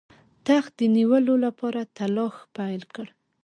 تخت د نیولو لپاره تلاښ پیل کړ.